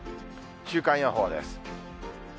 週間予報です。